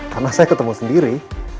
karena saya ketemu sendiri